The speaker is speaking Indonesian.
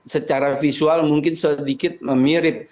secara visual mungkin sedikit memirip